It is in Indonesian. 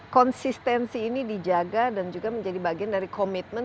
konsistensi ini dijaga dan juga menjadi bagian dari komitmen